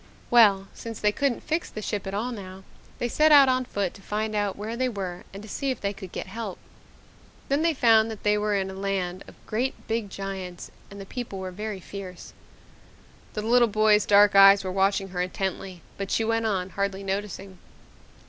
Well, since they couldn't fix the ship at all now, they set out on foot to find out where they were and to see if they could get help. Then they found that they were in a land of great big giants, and the people were very fierce." The little boy's dark eyes were watching her intently but she went on, hardly noticing.